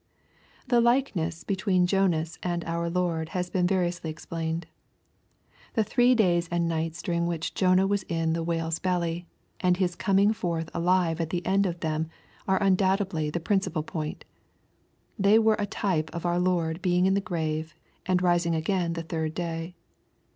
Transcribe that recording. ] The likeness between Jonas and our Lord has been variously explained. The three days and nights durin^ which Jonah was in the whale's belly, and his coming forth alive at the end of them are undoubtedly the principal point* They were a type of our Lord being in the grave, and rising again the third day.